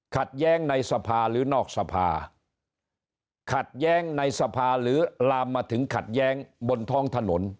ขัดแย้งในสภาหรือนอกสภาขัดแย้งในสภาหรือลามมาถึงขัดแย้งบนท้องถนน